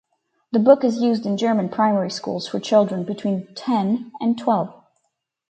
The book is used in German primary schools for children between ten and twelve.